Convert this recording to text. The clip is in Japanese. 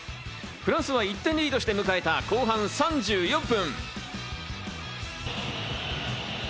フランスは１点リードして迎えた後半３４分。